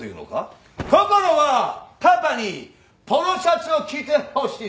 こころはパパにポロシャツを着てほしいのか！？